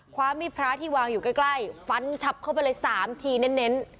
ความมีพระที่วางอยู่ใกล้ฟันฉับเข้าไปเลย๓ทีเน้น